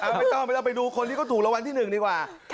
ไม่ต้องไปดูคนที่ถูกรางวัลที่หนึ่งดีกว่า